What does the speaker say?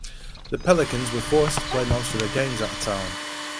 The Pelicans were forced to play most of their games out of town.